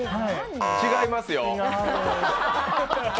違います。